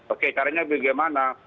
oke caranya bagaimana